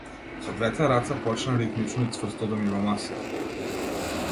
Со двете раце почна ритмично и цврсто да ми го масира.